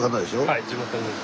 はい地元です。